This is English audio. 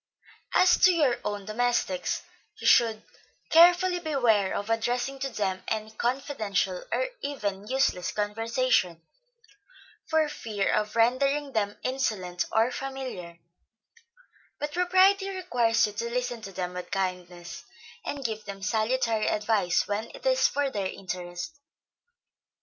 As to your own domestics, you should carefully beware of addressing to them any confidential or even useless conversation, for fear of rendering them insolent or familiar; but propriety requires you to listen to them with kindness, and give them salutary advice when it is for their interest.